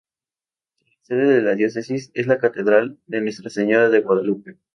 La sede de la Diócesis es la Catedral de Nuestra Señora de Guadalupe.